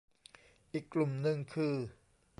อีกกลุ่มนึงคือ